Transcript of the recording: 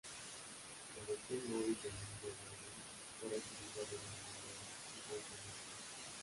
La versión móvil de "Ninja Gaiden" fue recibida de una manera un tanto mixta.